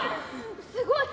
すごい！